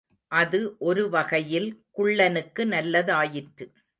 அது ஒரு வகையில் குள்ளனுக்கு நல்லதாயிற்று.